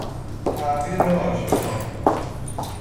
تغییر آشکار